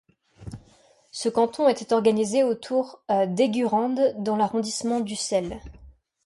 Ce canton était organisé autour d'Eygurande dans l'arrondissement d'Ussel.